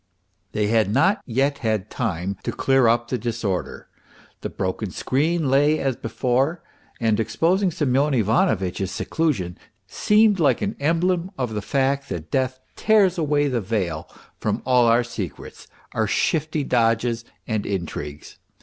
They had not yet had time to clear up the disorder. The broken screen lay as before, and exposing Semyon Ivanovitch's seclusion, seemed like an emblem of the fact that death tears away the veil from all our secrets, our shifty dodges and intrigues.